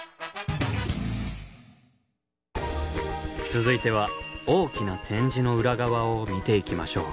続いては大きな展示の裏側を見ていきましょう。